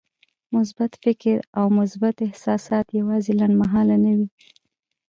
مثبت فکر او مثبت احساسات يوازې لنډمهاله نه وي.